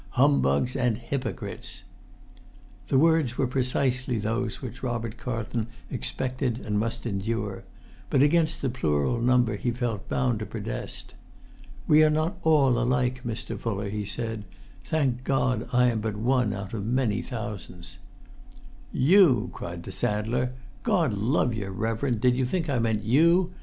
"Humbugs and hypocrites!" [Pg 41]The words were precisely those which Robert Carlton expected and must endure, but against the plural number he felt bound to protest. "We are not all alike, Mr. Fuller," he said; "thank God, I am but one out of many thousands." "You?" cried the saddler. "Gord love yer, reverend, did you think I meant you?